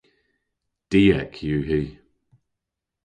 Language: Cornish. Diek yw hi.